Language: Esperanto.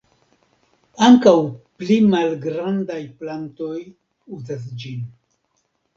Ankaŭ pli malgrandaj plantoj uzas ĝin.